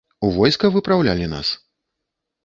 У войска выпраўлялі нас?